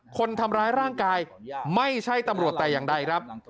คนทำร้ายร่างกายไม่ใช่ตำรวจแต่อย่างใดครับ